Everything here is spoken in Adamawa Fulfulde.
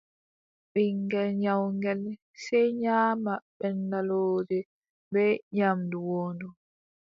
Ɓiŋngel nyawngel , sey nyaama ɓenndalooje bee nyaamdu woondu.